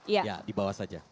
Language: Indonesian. ya dibawah saja